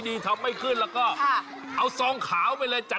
ดิฉันจะได้เป็นประธานกับเขาแล้วเหรอ